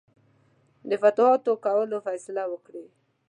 د فتوحاتو کولو فیصله وکړي.